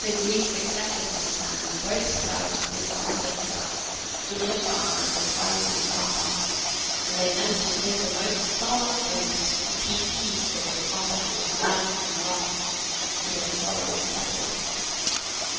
The Greeks accepted this plan, and both sides disarmed themselves to look on at the fight in comfort, and they meant to take the most solemn oaths to keep peace till the combat was lost and won, and the quarrel settled.